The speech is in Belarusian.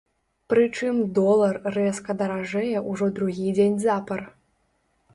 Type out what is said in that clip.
Прычым долар рэзка даражэе ўжо другі дзень запар.